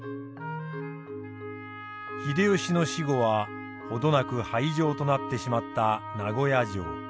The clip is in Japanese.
秀吉の死後は程なく廃城となってしまった名護屋城。